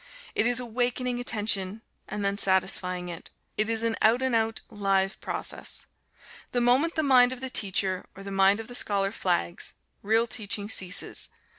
It is awakening attention, and then satisfying it. It is an out and out live process. The moment the mind of the teacher or the mind of the scholar flags, real teaching ceases.